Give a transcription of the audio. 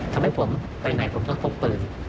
ทำให้ผมไปไหนผมต้องพกปืน